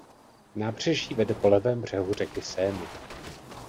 Nábřeží vede po levém břehu řeky Seiny.